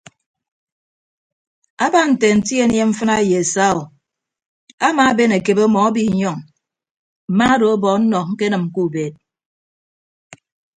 Aba nte anti anie mfịna ye saa o amaaben akebe ọmọ abiinyọñ mma odo ọbọ ọnnọ ñkenịm ke ubeed.